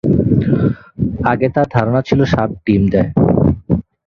আগে তাঁর ধারণা ছিল সাপ ডিম দেয়।